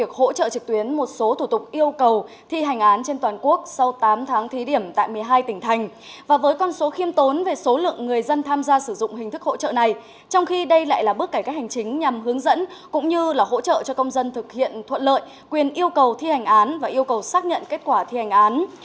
cũng như là hỗ trợ cho công dân thực hiện thuận lợi quyền yêu cầu thi hành án và yêu cầu xác nhận kết quả thi hành án